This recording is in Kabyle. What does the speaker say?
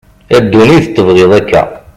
a dunit tebγiḍ akka